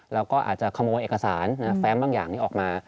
เราก็อาจจะขโมยเอกสารแฟ้มบางอย่างนี้ออกมา